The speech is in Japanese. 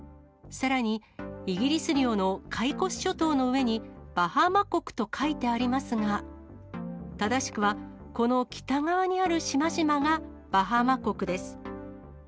さらに、イギリス領のカイコス諸島の上にバハマ国と書いてありますが、正しくは、この北側にある島々がバハマ国です。